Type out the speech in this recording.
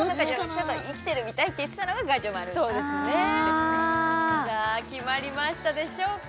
ちょっと生きてるみたいって言ってたのがガジュマルそうですねさあ決まりましたでしょうか